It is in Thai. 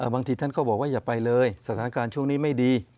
บางทีท่านก็บอกว่าอย่าไปเลยสถานการณ์ช่วงนี้ไม่ดี